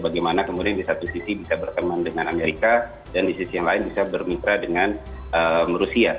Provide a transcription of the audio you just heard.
bagaimana kemudian di satu sisi bisa berteman dengan amerika dan di sisi yang lain bisa bermitra dengan rusia